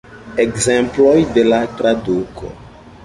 Ekzemploj de la traduko.